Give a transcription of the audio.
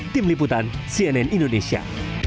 tim liputan cnn indonesia